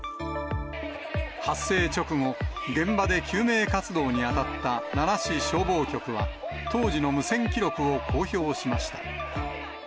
発生直後、現場で救命活動に当たった奈良市消防局は、当時の無線記録を公表しました。